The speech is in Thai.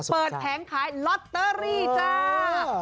แผงขายลอตเตอรี่จ้า